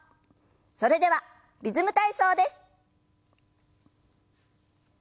それでは「リズム体操」です。